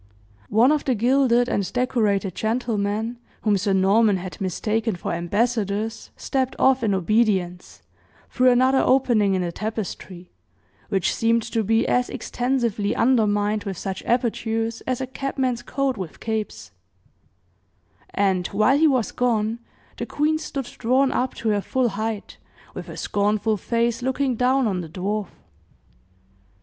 One of the gilded and decorated gentlemen whom sir Norman had mistaken for ambassadors stepped off, in obedience, through another opening in the tapestry which seemed to be as extensively undermined with such apertures as a cabman's coat with capes and, while he was gone, the queen stood drawn up to her full height, with her scornful face looking down on the dwarf.